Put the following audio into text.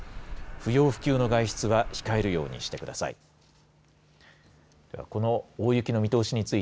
不要不急の外出は控えるようにしてください。